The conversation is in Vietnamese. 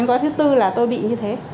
gói thứ bốn là tôi bị như thế